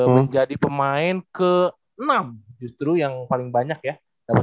menjadi pemain ke enam justru yang paling banyak ya